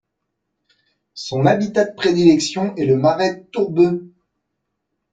Son habitat de prédilection est le marais tourbeux.